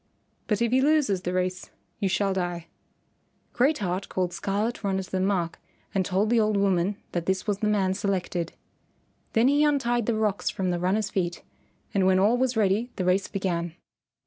But if he loses the race you shall die." Great Heart called Scarlet Runner to the mark and told the old woman that this was the man selected. Then he untied the rocks from the runner's feet, and when all was ready the race began.